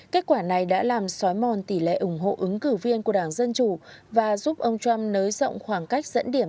kết quả này đã làm xói mòn tỷ lệ ủng hộ ứng cử viên của đảng dân chủ và giúp ông trump nới rộng khoảng cách dẫn điểm